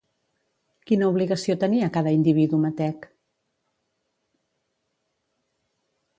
Quina obligació tenia cada individu metec?